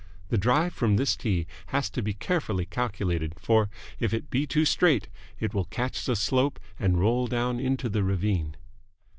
The drive from this tee has to be carefully calculated, for, if it be too straight, it will catch the slope and roll down into the ravine.